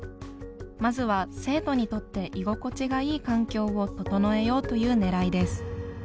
まずは生徒にとって居心地がいい環境を整えようというねらいです。